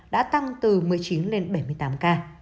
đã tăng từ một mươi chín lên bảy mươi tám ca